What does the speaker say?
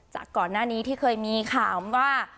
จากก่อนหน้านี้ที่เคยมีข่าวว่า